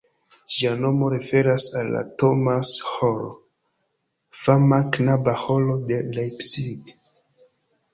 Ĝia nomo referas al la Thomas-ĥoro, fama knaba ĥoro de Leipzig.